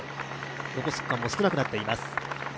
残す区間も少なくなっています。